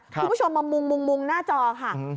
คุณผู้ชมมามุงหน้าจอค่ะ